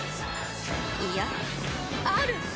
いやある！